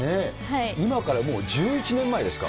今からもう１１年前ですか。